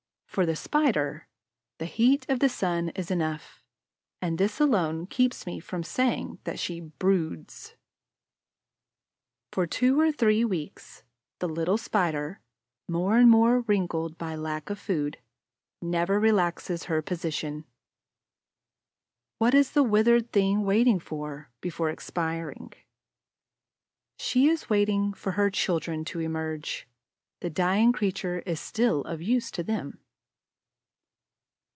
For the Spider, the heat of the sun is enough; and this alone keeps me from saying that she "broods." For two or three weeks, the little Spider, more and more wrinkled by lack of food, never relaxes her position. What is the withered thing waiting for, before expiring? She is waiting for her children to emerge; the dying creature is still of use to them.